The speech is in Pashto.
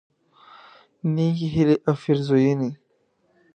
نیکی هیلی او پیرزوینی